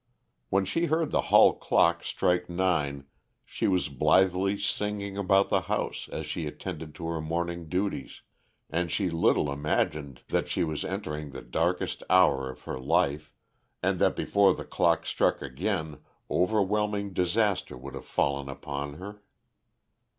When she heard the hall clock strike nine she was blithely singing about the house as she attended to her morning duties, and she little imagined that she was entering the darkest hour of her life, and that before the clock struck again overwhelming disaster would have fallen upon her.